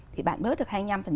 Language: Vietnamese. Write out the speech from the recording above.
thì bạn bớt được hai mươi năm